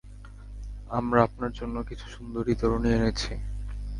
আমরা আপনার জন্য কিছু সুন্দরী তরুণী এনেছি।